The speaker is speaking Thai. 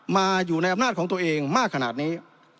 มาอยู่ในอำนาจของตัวเองมากขนาดนี้